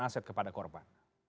aset kepada korban